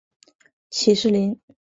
起士林。